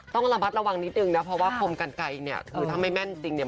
ต้องระมัดระวังนิดนึงนะเพราะว่าคมกันไกลเนี่ยคือถ้าไม่แม่นจริงเนี่ย